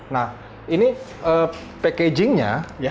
nah ini packaging nya juga ini emas